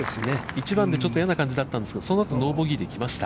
１番でちょっと嫌な感じだったんですが、その後、ノーボギーで来ました。